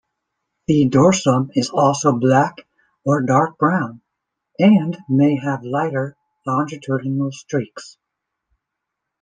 The dorsum is also black or dark brown, and may have lighter longitudinal streaks.